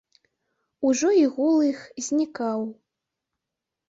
Ужо і гул іх знікаў.